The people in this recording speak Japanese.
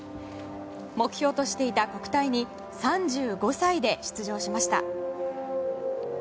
目標としていた国体に３５歳で出場しました。